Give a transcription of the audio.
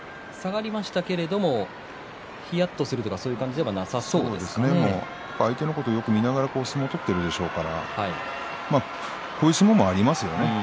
下がりましたけれどもひやっとするとか相手のことをよく見ながら相撲を取っているでしょうからこういう相撲もありますよね。